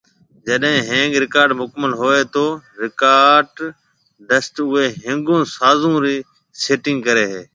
جڏي ۿينگ رڪارڊنگ مڪمل ھوئي تو رڪارڊسٽ اوئي ۿينگون سازون ري سيٽنگ ڪري ھيَََ